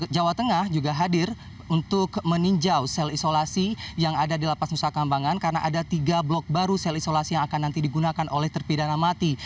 jawa tengah juga hadir untuk meninjau sel isolasi yang ada di lapas nusa kambangan karena ada tiga blok baru sel isolasi yang akan nanti digunakan oleh terpidana mati